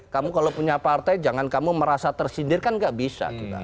kamu kalau punya partai jangan kamu merasa tersindir kan gak bisa